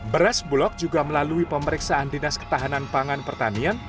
beras bulog juga melalui pemeriksaan dinas ketahanan pangan pertanian